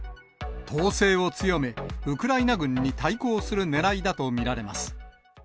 統制を強め、ウクライナ軍に対抗するねらいだと見られます。